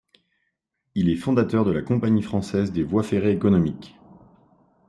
Il est fondateur de la Compagnie française des voies ferrées économiques.